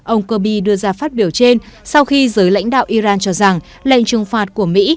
ông kirby đưa ra phát biểu trên sau khi giới lãnh đạo iran cho rằng lệnh trừng phạt của mỹ